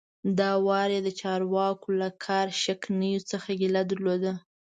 دا وار یې د چارواکو له کار شکنیو څخه ګیله درلوده.